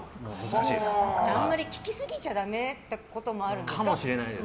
あんまり聞きすぎちゃダメってこともあるんですか。